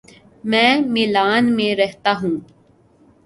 میں میلان میں رہتا ہوں